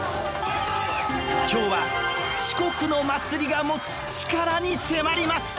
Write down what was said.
今日は四国の祭りが持つチカラに迫ります！